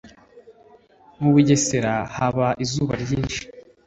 Mubugesera haba izuba ryinshi